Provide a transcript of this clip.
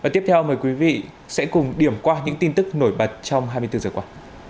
tiếp theo mời quý vị điểm qua những tin tức nổi bật trong hai mươi bốn h qua